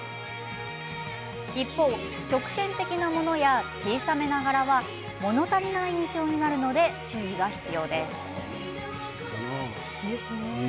一方、直線的なものや小さめの柄はもの足りない印象になるので注意が必要です。